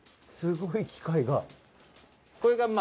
すごい機械が。